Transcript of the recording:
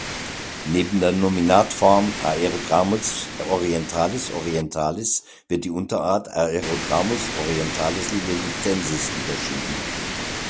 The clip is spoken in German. Neben der Nominatform "Aerodramus orientalis orientalis" wird die Unterart "Aerodramus orientalis leletensis" unterschieden.